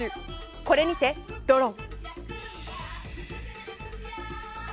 これにてドロン！